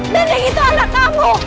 bening itu anak kamu